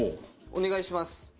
お願いします。